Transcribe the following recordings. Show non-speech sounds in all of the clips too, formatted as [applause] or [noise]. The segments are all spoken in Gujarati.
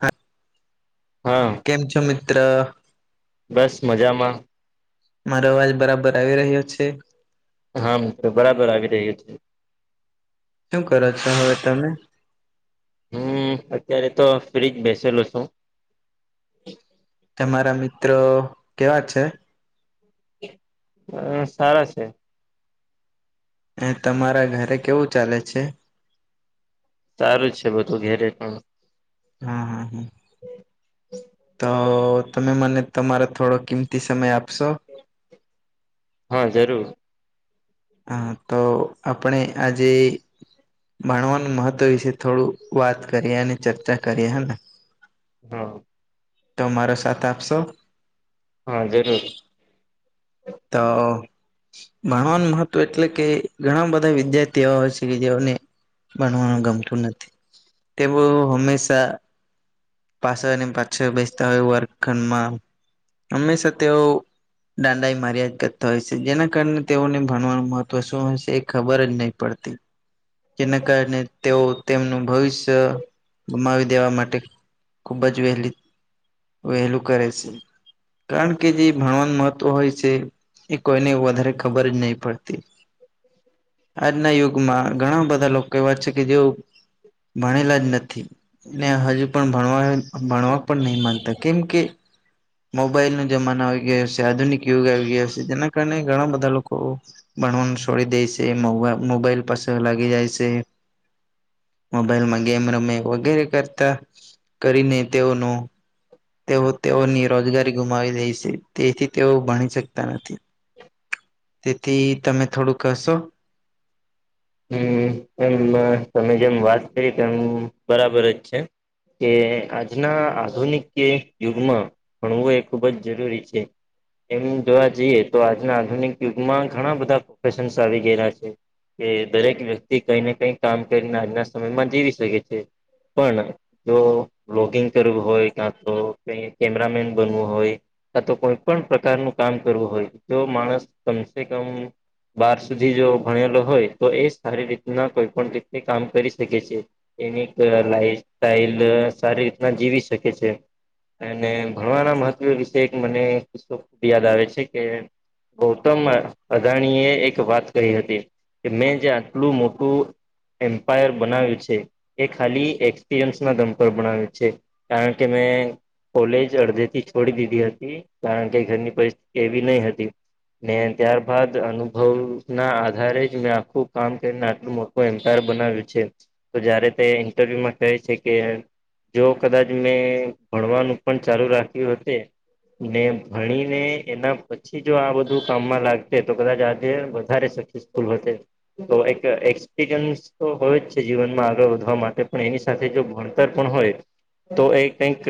હા હા કેમ છો મિત્ર બસ મજામાં. મારો અવાજ બરાબર આવી રહ્યો છે. હા બરાબર આવી રહ્યું છે. શું કરો છો હવે તમે? હું અત્યારે તો ફ્ર્રી જ બેસેલો છું. તમારા મિત્રો કેવા છે. અ સારા છે. એ તમારા ઘરે કેવું ચાલે છે. સારું જ છે બધું ઘેરે પણ. હા હા હા તો તમે મને તમારો થોડો કિંમતી સમય આપશો હા જરૂર હ તો આપણે આજે ભણવાનું મહત્વ વિશે થોડું વાત કરીએ અને ચર્ચા કરીએ હેને હા તો મારો સાથ આપશો હા જરૂર તો ભણવાનું મહત્વ એટલે કે ઘણા બધા વિદ્યાર્થી એવા હોય છે કે જેઓને ભણવાનું ગમતું નથી તેવો હંમેશા પાછળની પાછળ બેસતા હોય વર્ગખંડમાં હંમેશા તેઓ દાંડા મર્યાદ કરતા હોય છે, જેના કારણે તેઓને ભણવાનું મહત્વ શું હોય છે, એ ખબર જ નહી પડતી. કેના કારણે તેઓ તેમનું ભવિષ્ય ગમાવી દેવા માટે. ખૂબ જ વહેલી. વહેલું કરે છે, કારણ કે જે ભણવાનું મહત્વ હોય. એ કોઈને વધારે ખબર જ નહી પડતી. આજના યુગમાં ઘણા બધા લોકો એવા છે, કે જે ભણેલા જ નથી. ને હજુ પણ ભણવા ભણવા પણ નહી માનતા કેમ કે. મોબાઈલ ન જમાનો આવી ગયો છે, આધુનિક યુગ આવી ગયા છે, જેના કારણે ઘણા બધા લોકો. બણવાનું છોડી દે છે, [unintelligible] મોબાઈલ પાસે લાગી જાય છે. મોબાઈલમાં ગેમ ર મે વગેરે કરતા. કરીને તેઓનો તેઓ તેઓની રોજગારી ગુમાવી દે છે, તેથી [unintelligible] ભણી શકતા નથી તેથી તમે થોડું કશો. હમ એમ તમે જેમ વાત કરી તેમ બરાબર જ છે. કે આજના આધુનિક કે યુગમાં. ભણવું એ ખુબ જ જરૂરી છે. એમ જોવા જઈએ તો આજના આધુનિક યુગમાં ઘણા બધા પ્રોફેશન્ આવી ગયેલા છે. કે દરેક વ્યક્તિ કઈ ને કઈ કામ કરીને આજના સમયમાં જીવી શકે છે, પણ. જો બ્લોગિંગ કરવું હોય કા તો ક કેમેરામેન બનવું હોય. [unintelligible] તો કોઈ પણ પ્રકારનું કામ કરવું હોય જો માણસ કમસે કમ. બાર સુધી જો ભણેલો હોય તો એ સારી રીતના કોઈ પણ વક્તે કામ કરી શકે છે. એની લાઈફ સાઈલ સારી રીતના જીવી શકે છે. અને ભણવાના મહત્વ વિશે એક મને કિસ્સો ખૂબ યાદ આવે છે, કે. ગૌતમ અદાણીએ એક વાત કરી હતી. કે મેં જે આટલું મોટું. એમ્પાયર બનાવ્યું છે, એ ખાલી એક્સપિરિયન્સના દમ પર બનાવ્યું છે. કારણ કે મેં. કોલેજ અડધે થી છોડી દીધી હતી કારણ કે ઘરની પરિસ્થિતિ એવી નહી હતી. ને ત્યારબાદ અનુભવ ના આધારે જ. મેં આખું કામ કરીને આટલું મોટું એમ્પાયર બનાવ્યું છે. તો જયારે તે ઇન્ટરવ્યુમાં કહે છે, કે. જો કદાચ મેં ભણવાનું પણ ચાલુ રાખ્યું [unintelligible] ને ભણી ને એના પછી જો આ બધું કામમાં લાગત તો કદાચ આજે વધારે [unintelligible] [inaudible] તો એક એક્સપિરિયન્સ તો હોય જ છે, જીવનમાં આગળ વધવા માટે પણ એની સાથે જો ભણ પણ હોય તો એ કઈક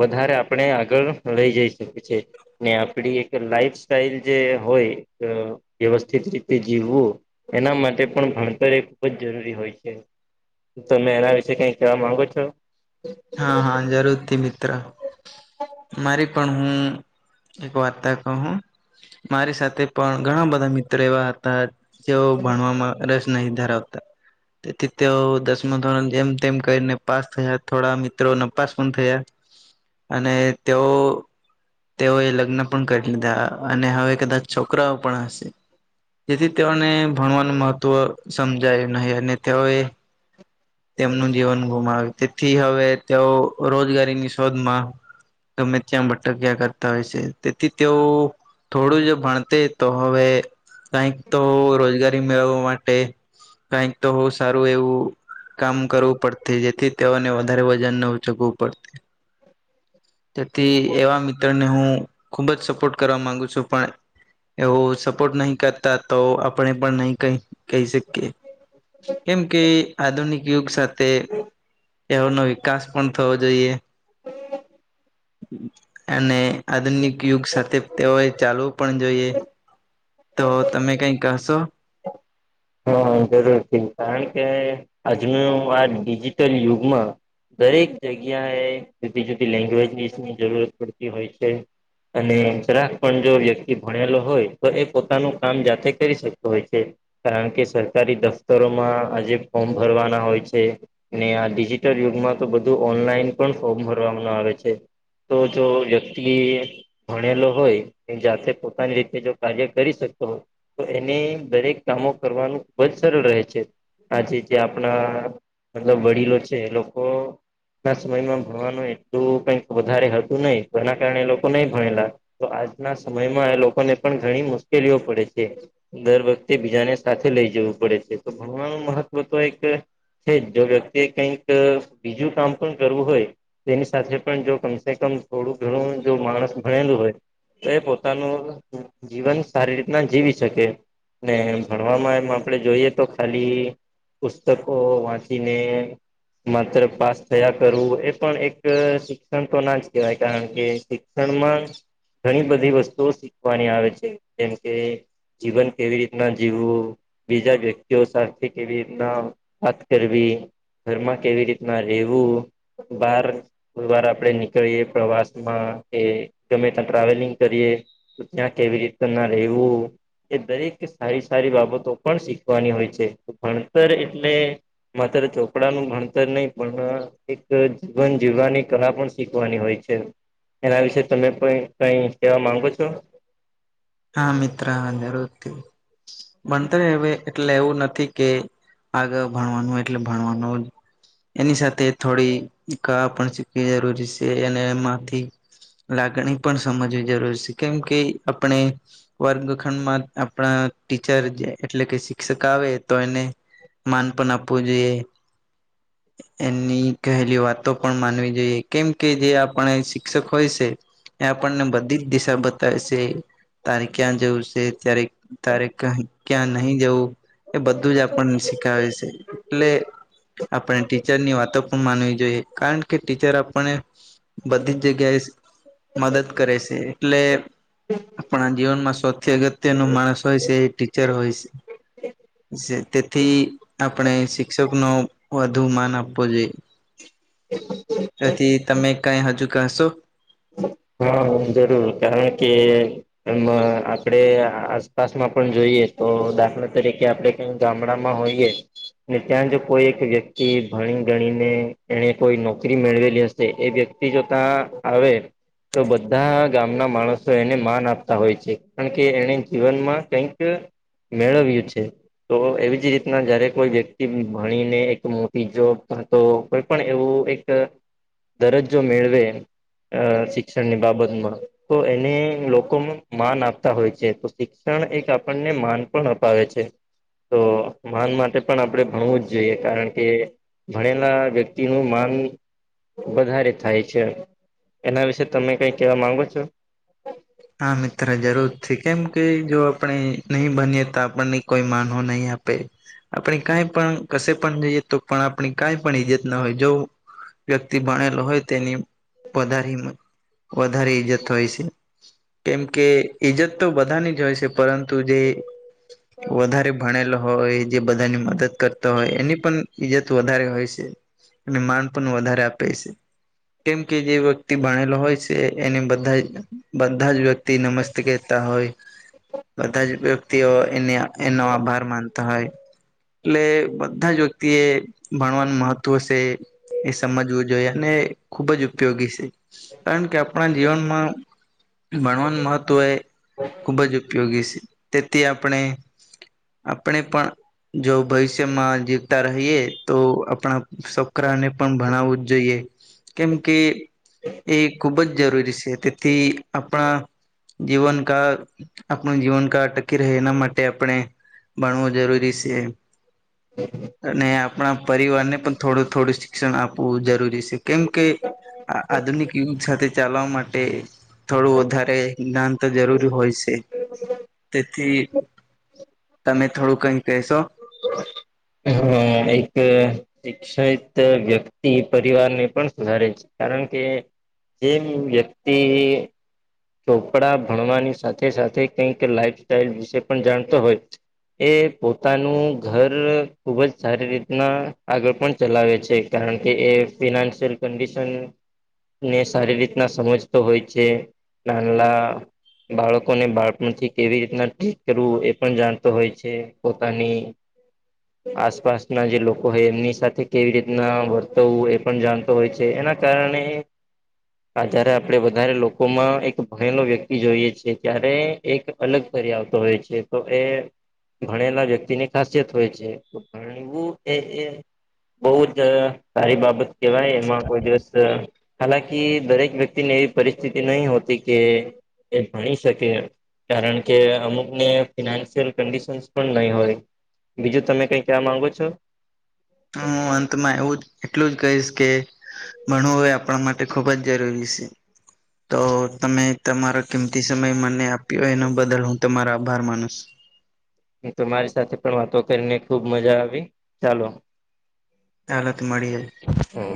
વધારે આપણે આગળ લઈ જઈ શકીએ છે. ને આપડી એક લાઈફ સાઈલ જે હોય વ્યવસ્થિત રીતે જીવવું. એના માટે પણ ભણતર એ ખૂબ જ જરૂરી હોય છે. તો મેં એના વિશે કઈક કેવા માંગ છો. હા હા જરૂરથી મિત્ર મારી. પણ હું એક વાર્તા કહું. મારી સાથે પણ ઘણા બધા મિત્રો એવા હતા જેઓ ભણવામાં નહી ધરાવતા તેથી તેઓ દસમા [unintelligible] જેમ તેમ કરીને પાસ થયા. થોડા મિત્રો નપાસ પણ થયા અને તેઓએ લગ્ન પણ કરી લીધા અને હવે કદાચ છોકરાઓ પણ હશે. તેથી જ તેઓને ભણવાનું મહત્ત્વ સમજાયુ નહી અને તેઓએ. તેમનું જીવન ગુમાવ્યું તેથી હવે તેઓ રોજગારીની શોધમાં. ગમે ત્યાં ભટક્યા કરતા હોય છે, તેથી તેઓ. થોડું જ ભણતે તો હવે કઈક તો રોજગારી મેળવવા માટે. કાઈક તો હો સારું એવું કામ કરવું પડતે જેથી તેઓને વધારે વજન ન ઊંચકવું પડતે. તેથી એવા મિત્રને હું ખુબ જ સપોર્ટ કરવા માંગુ છું. પણ એવો સપોર્ટ નહી કરતા તો આપણે પણ નહી કઈ કહી શકીએ કેમ કે આધુનિક યુગ સાથ તે એવોનો વિકાસ પણ થવો જોઈએ. અને આધુનિક યુગ સાથે તેઓએ ચાલવું પણ જોઈએ. તો તમે કઈ કહશો? હા જરૂર થી કારણ કે આજનું આ ડિજિટલ યુગમાં દરેક જગ્યા એ જુદી જુદી લેંગ્વેજનીસ જરૂરત પડતી હોય છે. અને જરાક પણ જો વ્યક્તિ ભણેલો હોય તો એ પોતાનું કામ જાતે કરી શકતો હોય છે. કારણ કે સરકારી દફતરોમાં આજે ફોર્મ ભરવાના હોય છે. ને આ ડિજિટલ યુગમાં તો બધું ઓનલાઈન પણ ફોમ ભરવાનું આવે છે. તો જો વ્યક્તિએ ભણેલો હોય એ જાતે પોતાની રીતે જો કાર્ય કરી શકતો હોય તો એને દરેક કામો કરવાનું ખૂબ જ સરલ રહે છે આજે જે આપણા મતલબ વડીલો છે એ લોકો ના સમયમાં ભણવાનું એટલું કઈક વધારે હતું નય એના કારણે લોકો નય ભણેલા. તો આજના સમયમાં એ લોકોને પણ ઘણી મુશ્કેલીઓ પડે છે. દર વખતે બીજાને સાથે લઈ જવું પડે છે તો ભણવાનું મહત્વ તો એક છે જ જો વ્યક્તિએ કઈક અ બીજું કામ પણ કરવું હોય તેની સાથે પણ જો કમસે કમ થોડું ઘણું જો માણસ ભણેલું હોય તે પોતાનું જીવન સારી રીતના જીવી શકે. ને ભણવામાં એમાં આપણે જોઈએ તો ખાલી પુસ્તકો વાંચીને માત્ર પાસ થયા કરવું એ પણ એક અ શિક્ષણ તો ના જ કેહેવાય કારણ કે ક્ષણમાં ઘણી બધી વસ્તુઓ શીખવાની આવે છે, જેમકે જીવન કેવી રીતના જીવવું બીજા વ્યક્તિઓ સાથે કેવી રીતના વાત કરવી ઘરમાં કેવી રીતના રેવું, બાર કોઈ વાર આપણેે નીકળીએ પ્રવાસમાં કે ગમે ત્યાં ટ્રાવેલિંગ કરીએ ત્યાં કેવી રીતે ના રેવું, એ દરેક સારી સારી બાબતો પણ શીખવાની હોય છે. ભણતર એટલે માત્ર ચોપડા નું ભણતર નય પણ અ એક અ જીવન જીવવાની કલા પણ શીખવાની હોય છે. એના વિશે તમે પણ કઈ કેવા માંગો છો? હા, મિત્ર જરૂર થી, બંતરે હવે એટલે એવું નથી કે આગળ ભણવાનું એટલે ભણવાનું જ એની સાથે થોડી કળા પણ શીખવી જરૂરી છે અને એમાંથી લાગણી પણ સમજવી જરૂર છે કેમ કે આપણે વર્ગખંડમાં આપણા ટીચર જે એટલે કે શિક્ષક આવે તો એને માન પણ આપવું જોઈએ. એમની કહેલી વાતો પણ માનવી જોઈએ કેમ કે જે આપણે શિક્ષક હોય છે એ આપણને બધી જ દિશા બતાવે છે. તારે ક્યાં જવું છે, ત્યારે તારે ક ક્યાં નહી જવું. એ બધું જ આપણને શીખાવે છે એટલે આપણા થી ટીચરની વાતો પણ માનવી જોઈએ કારણ કે ટીચર આપને બધી જ જગ્યાએ મદદ કરે છે એટલે આપણા જીવનમાં સૌથી અગત્ય નું માણસ હોય છે એ ટીચર હોય છે. શે. તેથી આપણે શિક્ષક નો વધુ માન આપવો જોઈએ. તેથી તમે કઈ હજુ કશો હા જરૂર કારણ કે એમ આપડણે આસપાસમાં પણ જોઈએ તો દાખલા તરીકે આપણે ગામડામાં હોઈએ ને ત્યાં જો કોઈ એક વ્યક્તિ ભણી ગણીને એને કોઈ નોકરી મેળવેલી હશે એ વ્યક્તિ જો ત્યાં આવે તો બધા બધા ગામના માણસો એને માન આપતા હોય છે કારણ કે એને જીવનમાં કંઈક મેળવ્યું છે તો એવી જ રીતના જયારે કોઈ વ્યક્તિ ભણીને એક મોટી જોબ તો કોઈ પણ એવું એક દરજ્જો મેળવે શિક્ષણની બાબત તો એને લોકોમાં માન આપતા હોય છે તો શિક્ષણ એક આપણને માન પણ અપાવે છે તો માન માટે પણ આપણે ભણવું જ જોઈએ કારણ કે ભણેલા વ્યક્તિ નું માન વધારે થાય છે એના વિશે તમે કઈ કેવા માંગો છો હા મિત્ર જરૂર છે કેમ કે જો આપણે નહી બનીએ તો આપણને કોઈ માનવ નહી આપે આપણે કંઈ પણ કશે પણ જઈએ તો પણ આપણી કંઈ પણ ઈજ્જત ના હોય જો વ્યક્તિ ભણેલો હોય તેની વધારે વધારે ઈજ્જત હોય છે કેમ કે ઈજત તો બધાની જ હોય છે પરંતુ જે વધારે ભણેલ હોય જે બધાની મદદ કરતા હોય એની પણ ઈજ્જત વધારે હોય છે અને માન પણ વધારે આપે છે કેમ કે જે વ્યક્તિ ભણેલો હોય છે એને બધા જ બધા જ વ્યક્તિ નમસ્ત કરતા હોય બધા જ વ્યક્તિઓ એને એનો આભાર માનતા હોય એટલે બધા જ વ્યક્તિ એ ભણવાનું મહત્વ છે એ સમજવું જોઈએ અને ખૂબ જ ઉપયોગી છે કારણ કે આપણા જીવનમાં ભણવાનું મહત્ત્વ એ ખૂબ જ ઉપયોગી છે તેથી આપણે આપણે પણ જો ભવિષ્યમાં જીવતા રહીએ તો આપણા છકરાને પણ ભણાવવું જ જોઈએ કેમ કે એ ખૂબ જ જરૂરી છે તેથી આપણા જીવનકાળ આપણું જીવનકાળ ટટકી રહે એના માટે આપણે ભણવું જરૂરી છે અને આપણા પરિવારને પણ થોડું થોડું શિક્ષણ આપવું જરૂરી છે કેમ કે આ આધુનિક યુગ સાથે ચાલવા માટે થોડું વધારે જ્ઞાન તો જરૂરી હોય છે તેથી તમે થોડું કઈ કહેશો અ એક શિક્ષિત વ્યક્તિ પરિવારને પણ સુધારે છે કારણ કે જેમ વ્યક્તિ ચોપડા ભણવાની સાથે સાથે કઈક લાઈફ સાઈલ વિશે પણ જાણતો હોય એ પોતાનું ઘર ખુબ જ સારી રીતના આગળ પણ ચલાવે છે કારણ કે એ ફિનાન્શિયલ કન્ડિશન ને સારી રીતના સમજતો હોય છે નાનલા બાળકોને બાળપણથી કેવી રીતના ઠીક કરવું એ પણ જાણતો હોય છે પોતાની આસપાસના જે લોકો હોય એમની સાથે કેવી રીતના વર્તવવું પણ જાણતો હોય છે એના કારણે આધારે આપણે વધારે લોકો માં એક ભણેલો વ્યક્તિ જોઈએ છે ત્યારે એક અલગ કરી આવતો હોય છે તો એ ભણેલા વ્યક્તિની ખાસિયત હોય છે ભણું એ બહ જ સારી બાબત કેહેવાય એમાં કોઈ દિવસ હાલાકી દરેક વ્યક્તિને એવી પરિસ્થિતિ નહી હોતી કે એ ભણી શકે કારણ કે અમુક ને ફિનાન્શયલ કડિશનસ પણ નહી હોય બીજું તમે કઈ ક્યાં માંગો છો હું અંતમાં એવું જ એટલું જ કહીશ કે ભણવું એ આપણા માટે ખુબ જ જરૂરી છે, તો તમે તમારો કિમતી સમય મને આપ્યો એન બદલ હું તમારો આભાર માનું છું. તમારી સાથે પણ વાતો કરીને ખુબ મજા આવી ચાલો. હાલો તો મળીએ. હમ.